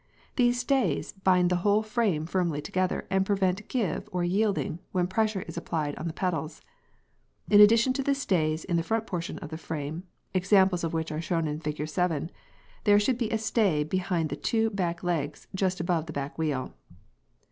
These "stays" bind the whole frame firmly together and prevent "give" or yielding, when pressure is applied on the pedals. In addition to the "stays" in the front portion of frame (examples of which are shown in Fig. 7) there should be a stay between the two back legs, just above the back wheel.